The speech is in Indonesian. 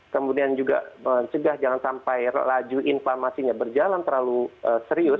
kemudian juga mencegah jangan sampai laju inflamasinya berjalan terlalu serius